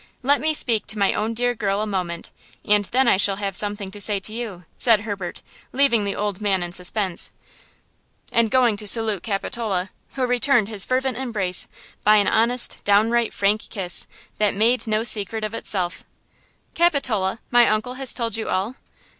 Let me speak to my own dear girl a moment, and then I shall have something to say to you," said Herbert, leaving the old man in suspense, and going to salute Capitola, who returned his fervent embrace by an honest, downright frank kiss, that made no secret of itself. "Capitola! My uncle has told you all?"